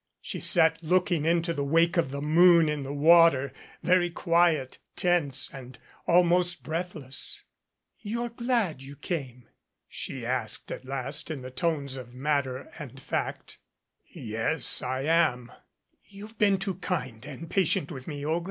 She sat looking into the wake of the moon in the water, very quiet, tense and almost breathless. "You're glad you came?" she asked at last in the tones of matter and fact. "Yes, I am. You've been too kind and patient with me, Olga."